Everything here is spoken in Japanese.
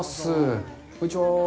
こんにちは。